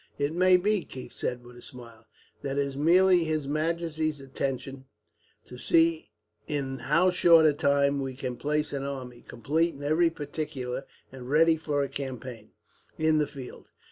"It may be," Keith said with a smile, "that it is merely his majesty's intention to see in how short a time we can place an army, complete in every particular and ready for a campaign, in the field.